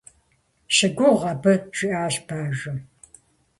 - Щыгугъ абы! - жиӏащ бажэм.